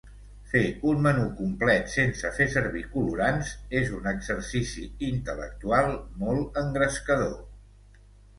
Fer un menú complet sense fer servir colorants és un exercici intel·lectual molt engrescador.